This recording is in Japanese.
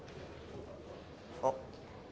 あっ！